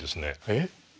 えっ？